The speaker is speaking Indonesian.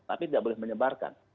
tapi tidak boleh menyebarkan